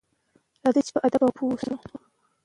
راځئ چې باادبه او پوه شو.